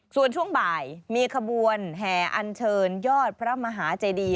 ส่วนช่วงบ่ายมีขบวนแห่อันเชิญยอดพระมหาเจดี